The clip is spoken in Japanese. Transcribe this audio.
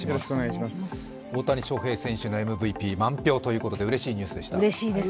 大谷翔平選手のＭＶＰ、満票ということでうれしいニュースでした。